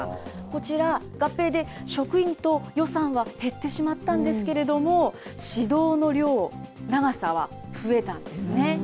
こちら、合併で職員と予算は減ってしまったんですけれども、市道の量、長さは増えたんですね。